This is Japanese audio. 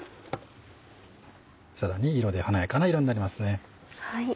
さらに華やかな色になりますね。